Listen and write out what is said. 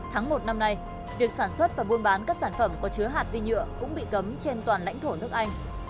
tháng một năm nay việc sản xuất và buôn bán các sản phẩm có chứa hạt vi nhựa cũng bị cấm trên toàn lãnh thổ nước anh